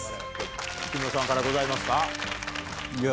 木村さんからございますか？